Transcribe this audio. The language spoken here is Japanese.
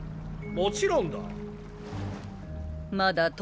もちろんだ。